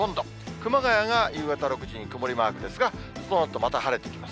熊谷が夕方６時に曇りマークですが、そのあとまた晴れてきます。